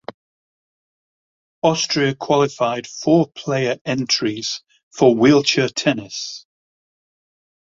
Austria qualified four player entries for wheelchair tennis.